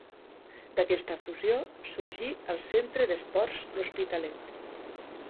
D'aquesta fusió sorgí el Centre d'Esports l'Hospitalet.